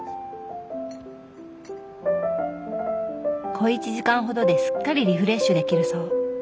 小一時間ほどですっかりリフレッシュできるそう。